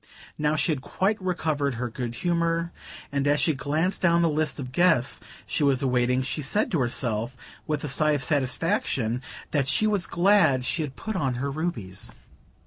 Now she had quite recovered her good humour, and as she glanced down the list of guests she was awaiting she said to herself, with a sigh of satisfaction, that she was glad she had put on her rubies.